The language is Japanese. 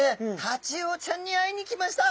タチウオちゃんに会いに来ました。